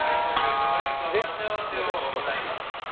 で戻して人さし指。